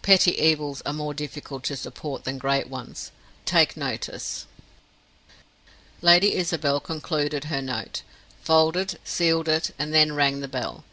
Petty evils are more difficult to support than great ones, take notice. Lady Isabel concluded her note, folded, sealed it, and then rang the bell.